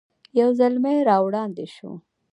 یو زلمی را وړاندې شو.